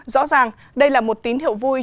rõ ràng đây là một tín hiệu vui